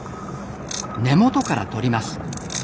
根元からとります。